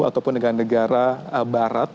ataupun negara negara barat